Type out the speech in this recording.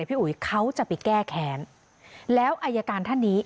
พี่อุ๋ยเขาจะไปแก้แค้นแล้วอายการท่านนี้